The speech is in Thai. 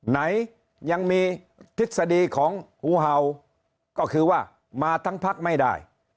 ไหนยังมีทฤษฎีของหูเห่าก็คือว่ามาทั้งพักไม่ได้